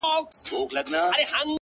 o په شاعرۍ کي رياضت غواړمه،